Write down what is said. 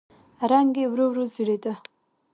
رنګ يې ورو ورو زېړېده.